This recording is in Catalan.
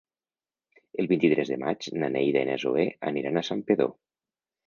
El vint-i-tres de maig na Neida i na Zoè aniran a Santpedor.